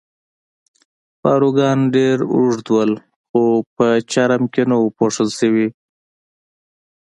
پاروګان ډېر اوږد ول، خو په چرم کې نه وو پوښل شوي.